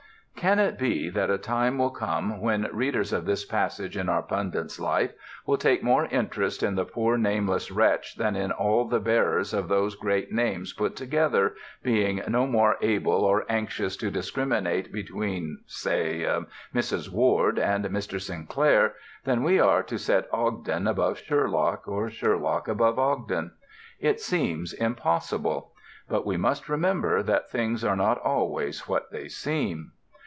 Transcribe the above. Can it be that a time will come when readers of this passage in our pundit's Life will take more interest in the poor nameless wretch than in all the bearers of those great names put together, being no more able or anxious to discriminate between (say) Mrs. Ward and Mr. Sinclair than we are to set Ogden above Sherlock, or Sherlock above Ogden? It seems impossible. But we must remember that things are not always what they seem.